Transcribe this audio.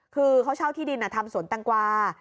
คือเขาเช่าที่ดินทำสวนแตงกวา